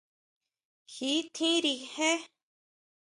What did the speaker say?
Ji tjínri jé.